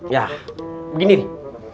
ya begini nih